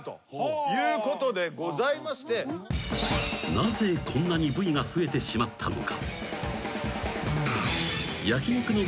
［なぜこんなに部位が増えてしまったのか？］